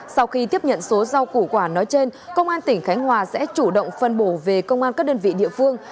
sau khi tiếp nhận số rau củ quả nói trên công an tỉnh khánh hòa sẽ chủ động phân bổ về công an các đơn vị địa phương